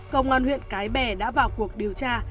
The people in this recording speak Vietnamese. công an huyện cái bè đã vào cuộc điều tra